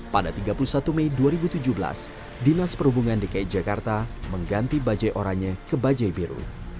pada tiga puluh satu mei dua ribu tujuh belas dinas perhubungan dki jakarta mengganti bajai orangnya ke bajai biru